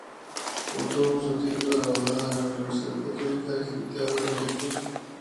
Obtuvo su título de abogada en la Universidad Católica de Santiago de Guayaquil.